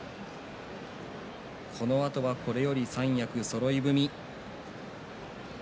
このあとはこれより三役そろい踏み。